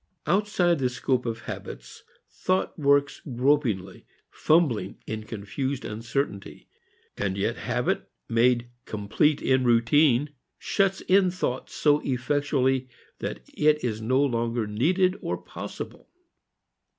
Outside the scope of habits, thought works gropingly, fumbling in confused uncertainty; and yet habit made complete in routine shuts in thought so effectually that it is no longer needed or possible.